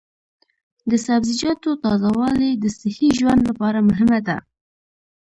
د سبزیجاتو تازه والي د صحي ژوند لپاره مهمه ده.